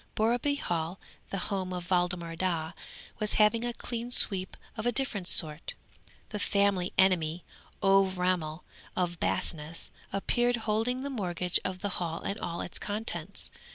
Borreby Hall, the home of Waldemar Daa, was having a clean sweep of a different sort. The family enemy, Ové Ramel from Basness, appeared, holding the mortgage of the Hall and all its contents.